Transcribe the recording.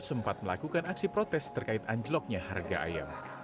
sempat melakukan aksi protes terkait anjloknya harga ayam